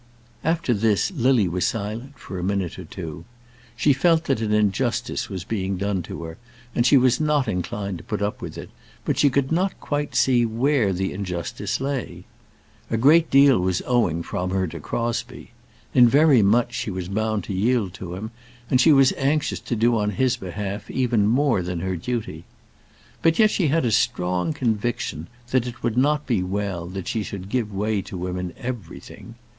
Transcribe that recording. After this Lily was silent for a minute or two. She felt that an injustice was being done to her and she was not inclined to put up with it, but she could not quite see where the injustice lay. A great deal was owing from her to Crosbie. In very much she was bound to yield to him, and she was anxious to do on his behalf even more than her duty. But yet she had a strong conviction that it would not be well that she should give way to him in everything.